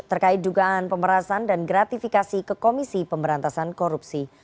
terkait dugaan pemberatan dan gratifikasi ke komisi pemberatasan korupsi